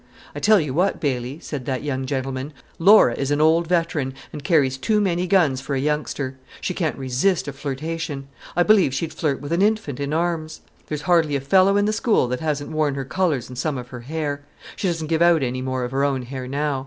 "I tell you what, Bailey," said that young gentleman, "Laura is an old veteran, and carries too many guns for a youngster. She can't resist a flirtation; I believe she'd flirt with an infant in arms. There's hardly a fellow in the school that hasn't worn her colors and some of her hair. She doesn't give out any more of her own hair now.